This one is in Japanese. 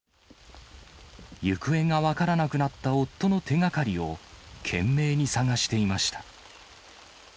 行方が分からなくなった夫の手がかりを、懸命に探していました。